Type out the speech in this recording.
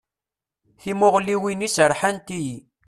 Timuɣliwin-is rḥant-iyi.